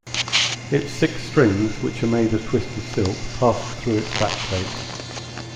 Its six strings, which are made of twisted silk passed through its back plate.